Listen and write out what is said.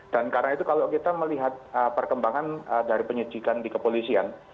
karena itu kalau kita melihat perkembangan dari penyidikan di kepolisian